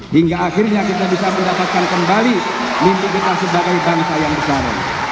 hingga akhirnya kita bisa mendapatkan kembali mimpi kita sebagai bangsa yang besar